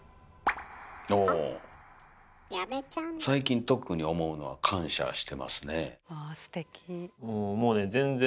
最近特に思うのは感謝してますね。